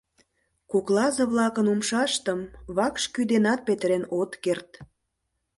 Коклазе-влакын умшаштым вакш кӱ денат петырен от керт.